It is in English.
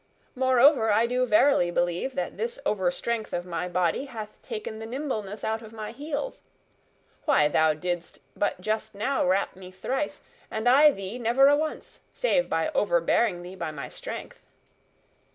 Moreover, I do verily believe that this overstrength of my body hath taken the nimbleness out of my heels. Why, thou didst but just now rap me thrice, and I thee never a once, save by overbearing thee by my strength."